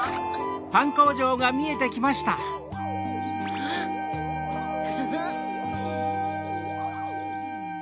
あっフフフ。